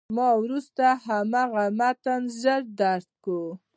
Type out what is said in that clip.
ما وروسته هماغه متن ژر درک کړ.